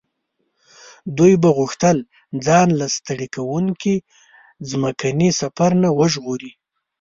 دوی به غوښتل ځان له ستړي کوونکي ځمکني سفر نه وژغوري.